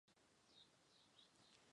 北极地区有多种定义。